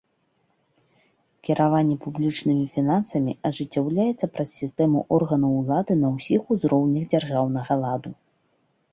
Кіраванне публічнымі фінансамі ажыццяўляецца праз сістэму органаў улады на ўсіх узроўнях дзяржаўнага ладу.